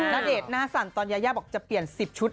ณเดชน์หน้าสั่นตอนยายาบอกจะเปลี่ยน๑๐ชุด